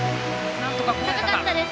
高かったです。